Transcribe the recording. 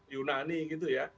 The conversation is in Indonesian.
yunani gitu ya